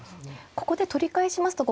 ここで取り返しますとお互い